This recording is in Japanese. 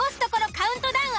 カウントダウン